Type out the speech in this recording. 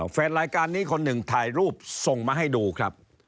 แฟนรายการนี้คนหนึ่งถ่ายรูปส่งมาให้ดูครับ